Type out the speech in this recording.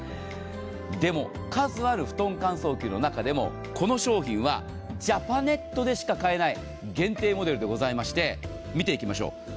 でも、数ある布団乾燥機の中でもこの商品はジャパネットでしか買えない限定モデルでございまして、見ていきましょう。